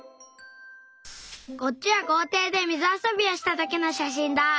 こっちはこうていでみずあそびをしたときのしゃしんだ。